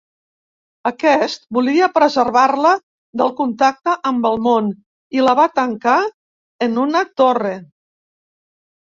Aquest volia preservar-la del contacte amb el món i la va tancar en una torre.